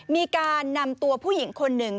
มีการนำตัวผู้หญิงคนหนึ่ง